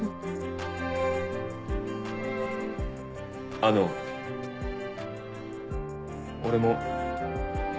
あの俺も。